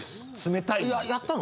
やったの？